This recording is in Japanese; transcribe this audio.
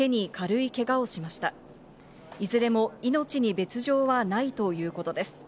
いずれも命に別条はないということです。